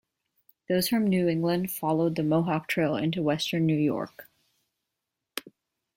Those from New England followed the Mohawk Trail into western New York.